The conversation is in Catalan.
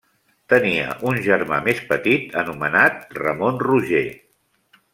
Tenia un germà més petit anomenat Ramon Roger.